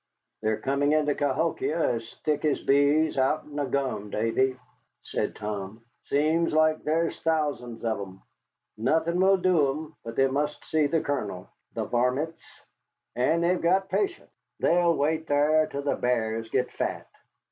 "They're coming into Cahokia as thick as bees out'n a gum, Davy," said Tom; "seems like there's thousands of 'em. Nothin' will do 'em but they must see the Colonel, the varmints. And they've got patience, they'll wait thar till the b'ars git fat.